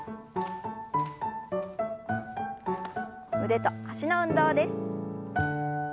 腕と脚の運動です。